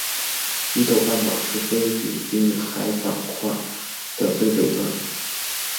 伊豆半岛是菲律宾海板块的最北端。